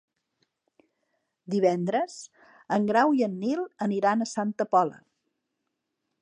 Divendres en Grau i en Nil aniran a Santa Pola.